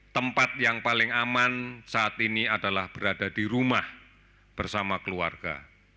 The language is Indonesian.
tempat yang paling aman saat ini adalah berada di rumah bersama keluarga